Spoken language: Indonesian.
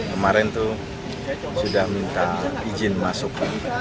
kemarin itu sudah minta izin masuk